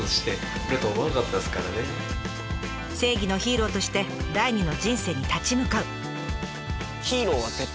正義のヒーローとして第二の人生に立ち向かう！